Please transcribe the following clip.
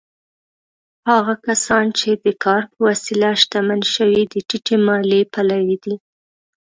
هغه کسان چې د کار په وسیله شتمن شوي، د ټیټې مالیې پلوي دي.